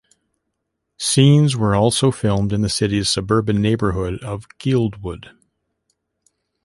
Scenes were also filmed in the city's suburban neighbourhood of Guildwood.